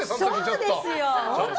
そうですよ。